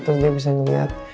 terus dia bisa ngeliat